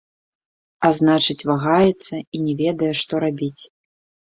А значыць, вагаецца і не ведае, што рабіць.